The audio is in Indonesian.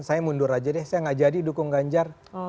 saya mundur aja deh saya gak jadi dukung ganjar